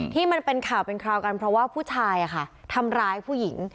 ที่เป็นข่าวเป็นคราวกันเพราะว่าผู้ชายทำร้ายผู้หญิง